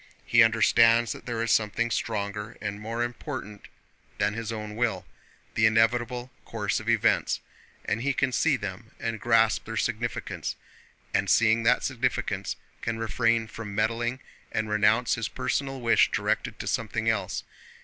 He understands that there is something stronger and more important than his own will—the inevitable course of events, and he can see them and grasp their significance, and seeing that significance can refrain from meddling and renounce his personal wish directed to something else.